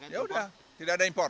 ya sudah tidak ada impor